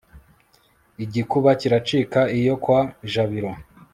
igikuba kiracika iyo kwa jabiro